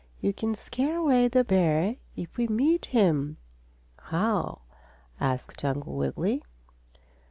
You can scare away the bear if we meet him." "How?" asked Uncle Wiggily.